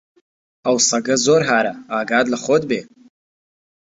ئەو سەگە زۆر هارە، ئاگات لە خۆ بێ!